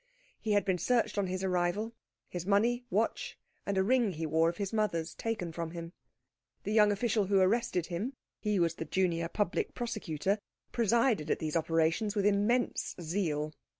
He had been searched on his arrival his money, watch, and a ring he wore of his mother's taken from him. The young official who arrested him he was the Junior Public Prosecutor presided at these operations with immense zeal.